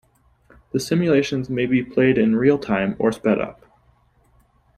The simulations may be played in real time or sped up.